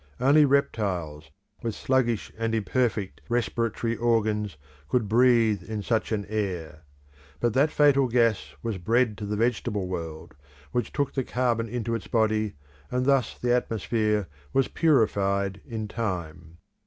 Only reptiles, with sluggish and imperfect respiratory organs, could breathe in such an air. But that fatal gas was bread to the vegetable world, which took the carbon into its body, and thus the atmosphere was purified in time.